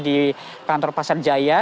di kantor pasar jaya